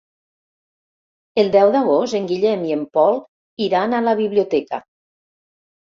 El deu d'agost en Guillem i en Pol iran a la biblioteca.